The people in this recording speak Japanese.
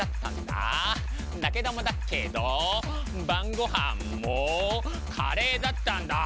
だけどもだけど晩ごはんもカレーだったんだ。